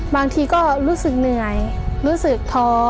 บางทีก็รู้สึกเหนื่อยรู้สึกท้อ